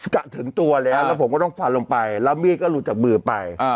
ถึงตัวแล้วแล้วผมก็ต้องฟันลงไปแล้วมีดก็หลุดจากมือไป